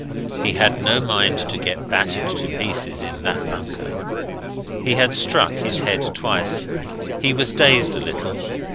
He had no mind to get battered to pieces in that bunker. He had struck his head twice; he was dazed a little.